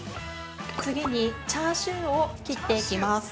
次に、チャーシューを切っていきます。